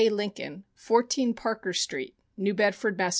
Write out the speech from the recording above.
Lincoln, 14 Parker street, New Bedford, Mass.